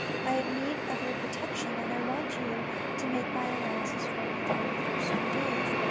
I have need of your protection and I want you to make many allow ances for me during the first few days.